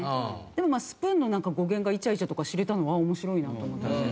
でもまあスプーンの語源がイチャイチャとか知れたのあっ面白いなと思った。